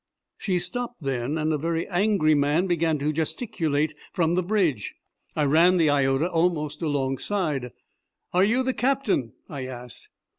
She stopped then and a very angry man began to gesticulate from the bridge. I ran the Iota almost alongside. "Are you the captain?" I asked.